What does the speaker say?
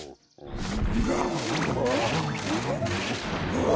うわ！